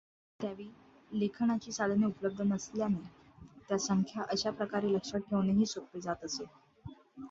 त्यावेळी लेखनाची साधने उपलब्ध नसल्याने त्या संख्या अशा प्रकारे लक्षात ठेवणेही सोपे जात असे.